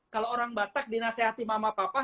kalau orang batak dinasehati mama papa